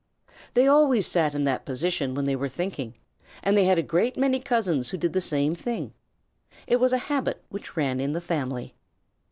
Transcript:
They always sat in that position when they were thinking, and they had a great many cousins who did the same thing. It was a habit which ran in the family.